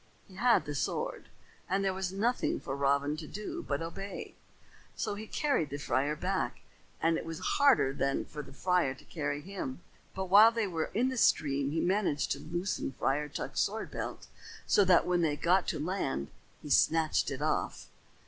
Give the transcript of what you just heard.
He had the sword, and there was nothing for Robin to do but to obey. So he carried the friar back, and it was harder than for the friar to carry him. But while they were in the stream he managed to loosen Friar Tuck's sword belt so that when they got to land he snatched it off.